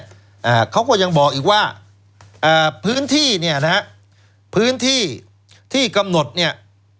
อ่าเขาก็ยังบอกอีกว่าอ่าพื้นที่เนี้ยนะฮะพื้นที่ที่กำหนดเนี้ย